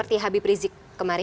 seperti habib rizik kemarin